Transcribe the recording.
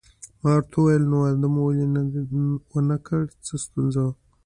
ما ورته وویل: نو واده مو ولې ونه کړ، څه ستونزه وه؟